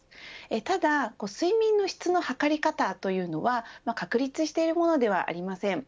ただ、睡眠の質の測り方というのは確立しているものではありません。